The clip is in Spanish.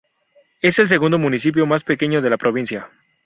Es el segundo municipio más pequeño de la provincia.